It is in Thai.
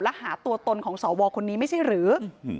และหาตัวตนของสวคนนี้ไม่ใช่หรือ